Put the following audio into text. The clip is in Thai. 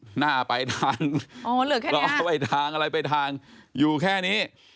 หน้าไปทางรอไปทางอะไรไปทางอยู่แค่นี้